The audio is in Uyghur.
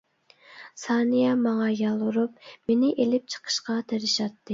سانىيە ماڭا يالۋۇرۇپ مېنى ئىلىپ چىقىشقا تىرىشاتتى.